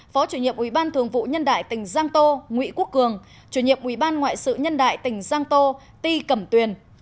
phó chủ nhiệm ủy ban thường vụ nhân đại tỉnh giang tô nguyễn quốc cường chủ nhiệm ủy ban ngoại sự nhân đại tỉnh giang tô ti cẩm tuyền